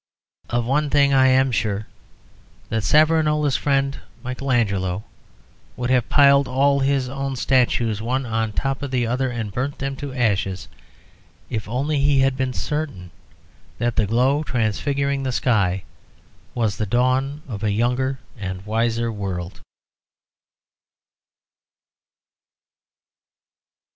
Of one thing I am sure, that Savonarola's friend Michael Angelo would have piled all his own statues one on top of the other, and burnt them to ashes, if only he had been certain that the glow transfiguring the sky was the dawn of a younger and wiser world.